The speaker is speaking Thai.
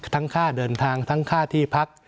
ค่าเดินทางทั้งค่าที่พัก